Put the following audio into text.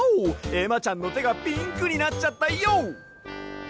えまちゃんのてがピンクになっちゃったＹＯ！